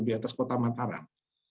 di atas kota mataram